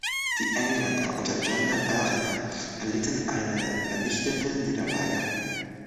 Die Engländer unter John de Warenne erlitten eine vernichtende Niederlage.